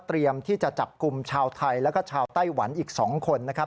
ที่จะจับกลุ่มชาวไทยแล้วก็ชาวไต้หวันอีก๒คนนะครับ